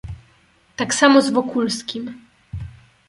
"Tak samo z Wokulskim."